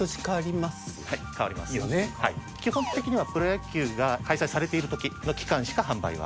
基本的にはプロ野球が開催されている時の期間しか販売は。